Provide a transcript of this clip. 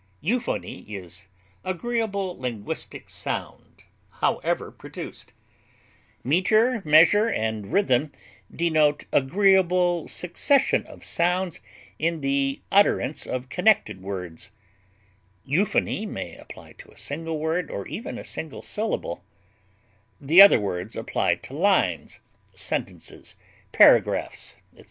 Euphony is agreeable linguistic sound, however produced; meter, measure, and rhythm denote agreeable succession of sounds in the utterance of connected words; euphony may apply to a single word or even a single syllable; the other words apply to lines, sentences, paragraphs, etc.